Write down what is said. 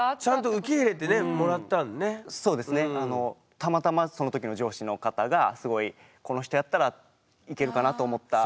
たまたまそのときの上司の方がすごいこの人やったらいけるかなと思ったのがあったんで。